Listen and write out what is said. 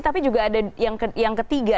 tapi juga ada yang ketiga